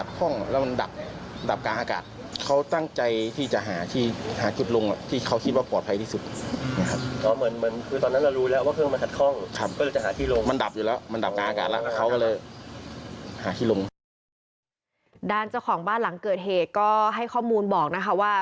ด้านเจ้าของบ้านหลังเกิดเหตุก็ให้ข้อมูลบอกนะคะว่า